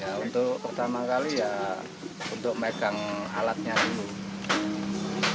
ya untuk pertama kali ya untuk megang alatnya dulu